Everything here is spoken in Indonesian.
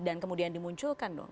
dan kemudian dimunculkan dong